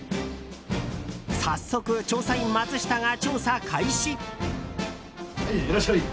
早速、調査員マツシタが調査開始。